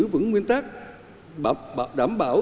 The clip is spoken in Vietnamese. vững nguyên tác đảm bảo